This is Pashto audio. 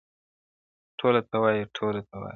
ټوله ته وای ټوله ته وای-